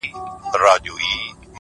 ورځه وريځي نه جــلا ســـولـه نـــن؛